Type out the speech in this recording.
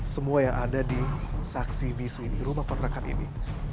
semua yang ada di saksi bisu ini rumah kontrakan ini